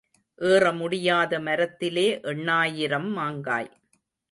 ஏற முடியாத மரத்திலே எண்ணாயிரம் மாங்காய்.